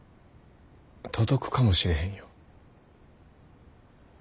届くかもしれへんよ。